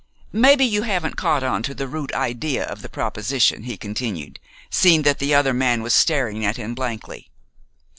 "Maybe you haven't caught on to the root idea of the proposition," he continued, seeing that the other man was staring at him blankly.